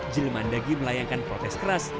jilman dagi melayangkan protes keras